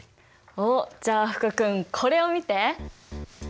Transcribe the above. おっじゃあ福君これを見て！